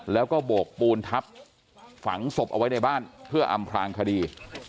แล้วก็โบกปูนทับฝังศพเอาไว้ในบ้านเพื่ออำพลางคดี